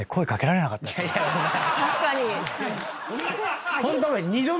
確かに。